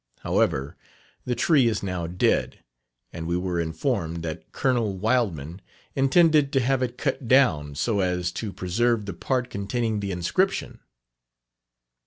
However, the tree is now dead, and we were informed that Colonel Wildman intended to have it cut down so as to preserve the part containing the inscription.